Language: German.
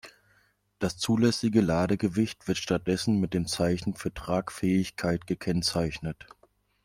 Das zulässige Ladegewicht wird stattdessen mit dem Zeichen für Tragfähigkeit gekennzeichnet.